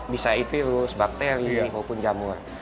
bisa e virus bakteri maupun jamur